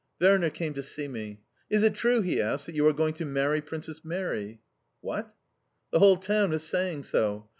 Werner came to see me. "Is it true," he asked, "that you are going to marry Princess Mary?" "What?" "The whole town is saying so.